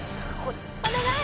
お願い！